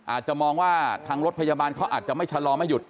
อาจจะมองว่าทางรถพยาบาลเขาอาจจะไม่ชะลอไม่หยุด